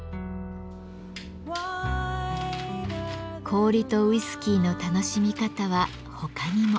氷とウイスキーの楽しみ方は他にも。